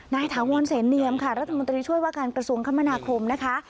ถาวรเสนเนียมค่ะรัฐมนตรีช่วยว่าการกระทรวงคมนาคมนะคะ